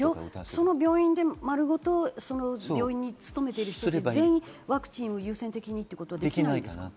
その病院で丸ごと病院に勤めている人で全員ワクチンを優先的にっていうことはできないんですか？